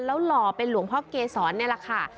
แล้วหล่อเป็นหลวงพ่อเกษรนี่แหละค่ะ